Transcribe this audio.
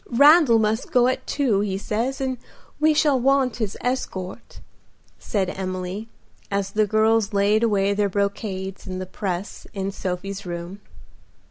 Randal must go at two, he says, and we shall want his escort," said Emily, as the girls laid away their brocades in the press in Sophie's room.